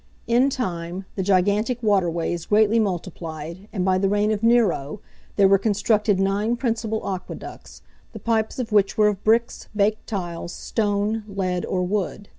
In time, the gigantic waterways greatly multiplied, and, by the reign of Nero, there were constructed nine principal aqueducts, the pipes of which were of bricks, baked tiles, stone, lead, or wood.